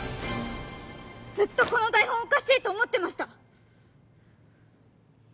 ずっとこの台本おかしいと思ってました。